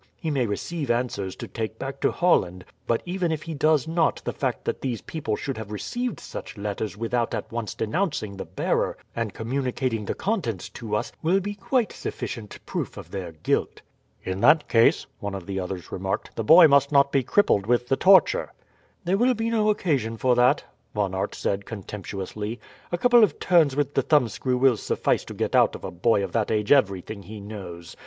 He may receive answers to take back to Holland; but even if he does not the fact that these people should have received such letters without at once denouncing the bearer and communicating the contents to us, will be quite sufficient proof of their guilt." "In that case," one of the others remarked, "the boy must not be crippled with the torture." "There will be no occasion for that," Von Aert said contemptuously. "A couple of turns with the thumbscrew will suffice to get out of a boy of that age everything he knows.